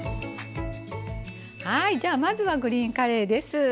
はいまずはグリーンカレーです。